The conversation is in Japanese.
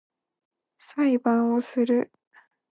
裁判をする